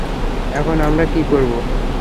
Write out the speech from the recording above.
এখন আমরা কী করবো?